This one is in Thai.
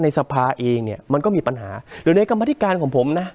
สภาเองเนี่ยมันก็มีปัญหาอยู่ในกรรมธิการของผมนะ